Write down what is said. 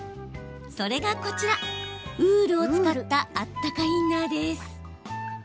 それがこちら、ウールを使ったあったかインナーです。